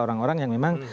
orang orang yang memang